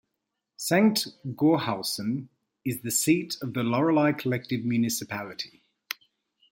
Sankt Goarshausen is the seat of the Loreley collective municipality.